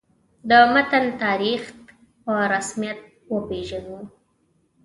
د متن تاریخیت به په رسمیت وپېژنو.